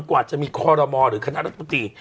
กว่าจะมีคอรมอหรือคณะรัฐมนตรี